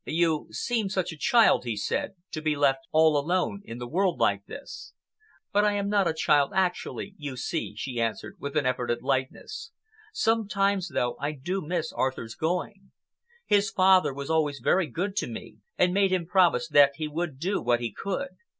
"You seem such a child," he said, "to be left all alone in the world like this." "But I am not a child actually, you see," she answered, with an effort at lightness. "Somehow, though, I do miss Arthur's going. His father was always very good to me, and made him promise that he would do what he could.